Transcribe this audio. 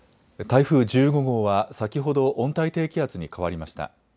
台風１５号は先ほど温帯低気圧に変わりました。